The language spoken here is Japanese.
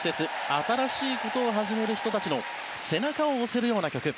新しいことを始める人たちの背中を押せるような曲。